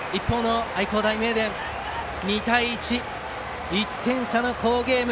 愛工大名電は２対１と１点差の好ゲーム。